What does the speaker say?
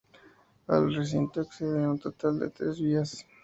Al recinto acceden un total de tres vías.